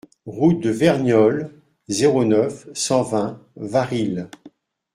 Route de Verniolle, zéro neuf, cent vingt Varilhes